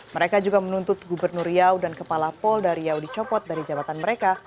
mereka juga menuntut gubernur riau dan kepala polda riau dicopot dari jabatan mereka